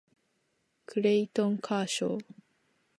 クレイトン・カーショー